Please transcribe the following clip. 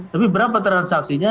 tapi berapa transaksinya